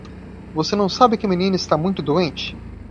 Você não sabe que a menina está muito doente?